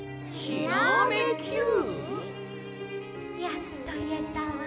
「やっといえたわ。